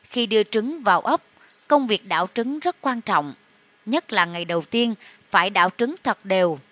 khi đưa trứng vào ốc công việc đảo trứng rất quan trọng nhất là ngày đầu tiên phải đảo trứng thật đều